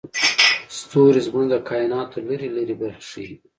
ستوري زموږ د کایناتو لرې لرې برخې ښيي.